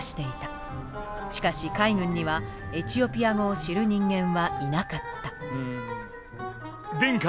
しかし海軍にはエチオピア語を知る人間はいなかった。